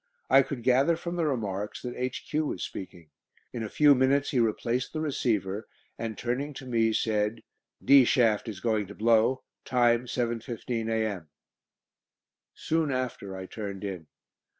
I could gather from the remarks that H.Q. was speaking. In a few minutes he replaced the receiver, and turning to me, said: "D shaft is going to blow; time, 7.15 a.m." Soon after I turned in.